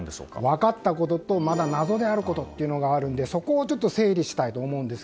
分かったこととまだ謎であることがあるんですがそこをちょっと整理したいと思います。